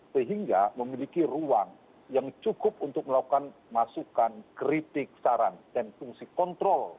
sehingga memiliki ruang yang cukup untuk melakukan masukan kritik saran dan fungsi kontrol